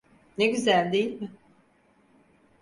Ne güzel, değil mi?